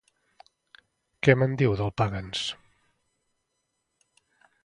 Què me'n diu del Pagans?